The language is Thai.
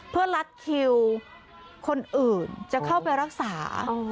เพื่อลัดคิวคนอื่นจะเข้าไปรักษา